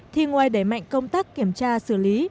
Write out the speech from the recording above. thì ngoài đẩy mạnh công tác kiểm tra xử lý